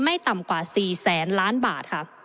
ไม่ต่ำกว่า๔แสนล้านบาทค่ะ